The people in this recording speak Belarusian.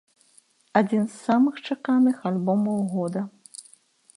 Адзін з самых чаканых альбомаў года.